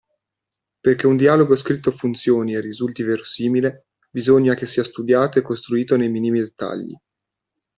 Perché un dialogo scritto funzioni e risulti verosimile, bisogna che sia studiato e costruito nei minimi dettagli.